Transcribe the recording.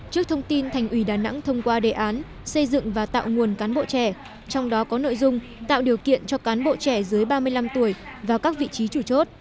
trước thông tin thành ủy đà nẵng thông qua đề án xây dựng và tạo nguồn cán bộ trẻ trong đó có nội dung tạo điều kiện cho cán bộ trẻ dưới ba mươi năm tuổi vào các vị trí chủ chốt